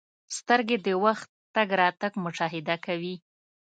• سترګې د وخت تګ راتګ مشاهده کوي.